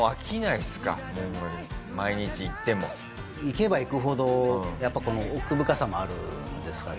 行けば行くほどやっぱこの奥深さもあるんですか。